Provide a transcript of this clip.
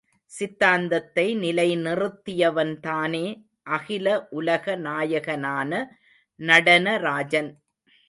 சித்தாந்தத்தை நிலை நிறுத்தியவன்தானே அகில உலக நாயகனான நடன ராஜன்.